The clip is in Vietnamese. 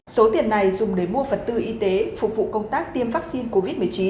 số tiền này dùng để mua vật tư y tế phục vụ công tác tiêm vaccine covid một mươi chín